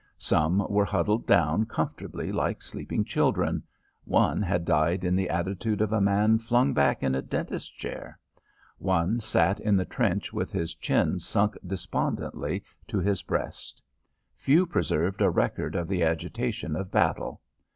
Some were huddled down comfortably like sleeping children; one had died in the attitude of a man flung back in a dentist's chair; one sat in the trench with his chin sunk despondently to his breast; few preserved a record of the agitation of battle.